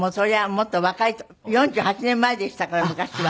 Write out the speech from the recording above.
もっと若い４８年前でしたから昔は。